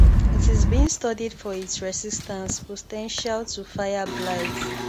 It is being studied for its resistance potential to fire blight.